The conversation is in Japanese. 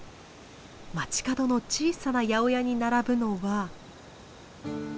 街角の小さな八百屋に並ぶのは。